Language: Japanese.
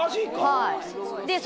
はい。